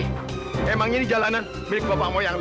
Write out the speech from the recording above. yau mau jalanin kehapdon